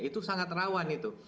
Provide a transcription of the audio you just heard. itu sangat rawan itu